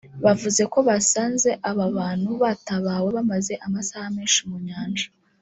bavuze ko basanze aba bantu batabawe bamaze amasaha menshi mu Nyanja